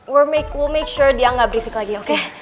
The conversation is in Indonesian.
we'll make sure dia gak berisik lagi oke